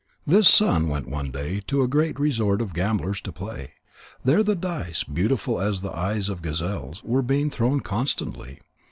This son went one day to a great resort of gamblers to play. There the dice, beautiful as the eyes of gazelles, were being thrown constantly.